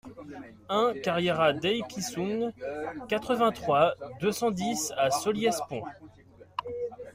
un carriera Dei Quinsoun, quatre-vingt-trois, deux cent dix à Solliès-Pont